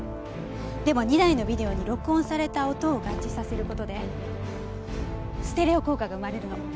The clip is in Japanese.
でも２台のビデオに録音された音を合致させる事でステレオ効果が生まれるの。